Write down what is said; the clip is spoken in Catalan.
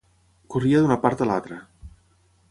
Corria d'una part a l'altra.